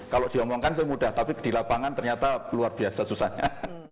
kalau diomongkan saya mudah tapi di lapangan ternyata luar biasa susahnya